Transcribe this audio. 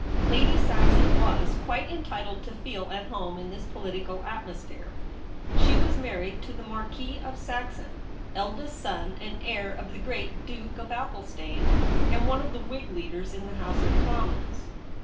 Lady Saxon was quite entitled to feel at home in this political atmosphere. She was married to the Marquis of Saxon, eldest son and heir of the great Duke of Athelstane, and one of the Whig leaders in the House of Commons.